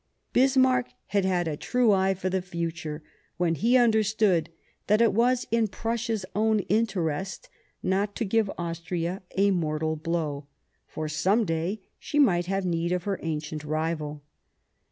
Bismarck had had a true eye for the future, when he had understood that it was in Prussia's own interest not to give Austria a mortal blow, for some day she might have need of her ancient rival.